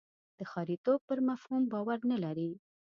د ښاریتوب پر مفهوم باور نه لري.